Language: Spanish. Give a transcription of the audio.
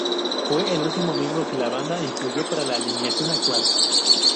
Fue el último miembro que la banda incluyó para la alineación actual.